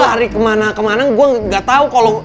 ya lu lari kemana kemana gua gak tau kalo